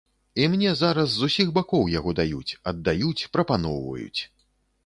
І мне зараз з усіх бакоў яго даюць, аддаюць, прапаноўваюць.